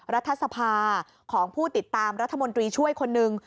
รัฐสภาของผู้ติดตามรัฐมนตรีช่วยคนหนึ่ง